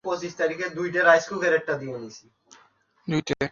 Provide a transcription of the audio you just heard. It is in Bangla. তারা বিশাল।